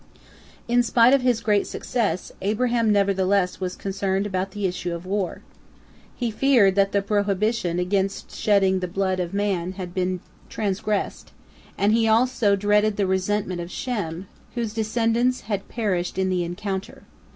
In spite of his great success, Abraham nevertheless was concerned about the issue of the war. He feared that the prohibition against shedding the blood of man had been transgressed, and he also dreaded the resentment of Shem, whose descendants had perished in the encounter.